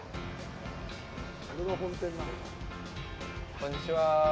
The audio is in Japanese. こんにちは。